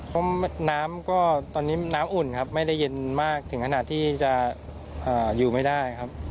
เพราะน้ำก็ตอนนี้น้ำอุ่นครับไม่ได้เย็นมากถึงขนาดที่จะอยู่ไม่ได้ครับ